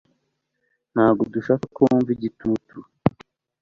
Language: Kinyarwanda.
Ntabwo dushaka ko wumva igitutu